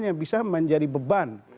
yang bisa menjadi beban